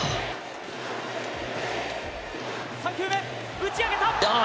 打ち上げた！